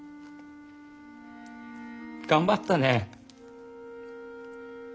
頑張ったね。